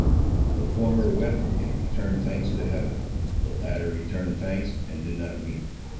The former wept and returned thanks to Heaven; the latter returned thanks, and did not weep.